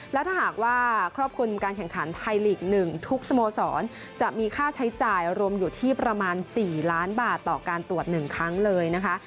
และถ้าหากว่าครอบคลุมการแข่งขันไทยลีก๑ทุกสโมสรจะมีค่าใช้จ่ายรวมอยู่ที่ประมาณ๔ล้านบาทต่อการตรวจ๑ครั้งเลยนะคะ